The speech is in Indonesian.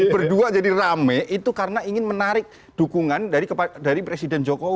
berdua jadi rame itu karena ingin menarik dukungan dari presiden jokowi